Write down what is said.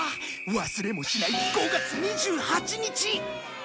忘れもしない５月２８日。